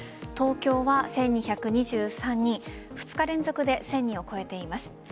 東京は１２２３人２日連続で１０００人を超えています。